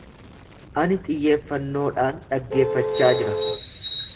Ani xiyyeeffannoodhaan dhaggeeffachaa jira.